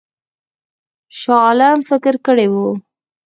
شاه عالم فکر کړی وو.